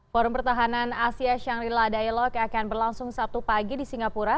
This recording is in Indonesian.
forum pertahanan asia shangri la dialog akan berlangsung sabtu pagi di singapura